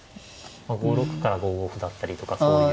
５六から５五歩だったりとかそういう。